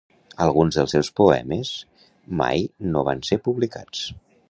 Alguns dels seus poemes mai no van ser publicats.